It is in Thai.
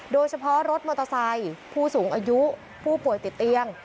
โดยเฉพาะรถมอเตอร์ไซค์ผู้สูงอายุผู้ป่วยติดเตียง